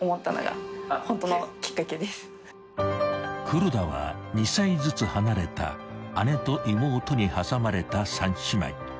［黒田は２歳ずつ離れた姉と妹に挟まれた３姉妹］